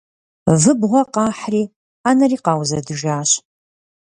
Выбгъуэ къахьри ӏэнэри къаузэдыжащ.